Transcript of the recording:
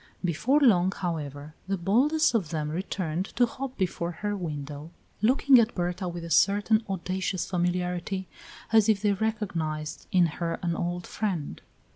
Before long, however, the boldest of them returned to hop before her window, looking at Berta with a certain audacious familiarity as if they recognized in her an old friend.